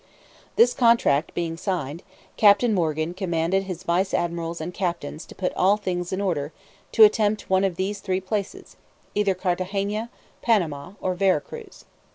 This contract being signed, Captain Morgan commanded his vice admirals and captains to put all things in order, to attempt one of these three places; either Carthagena, Panama, or Vera Cruz.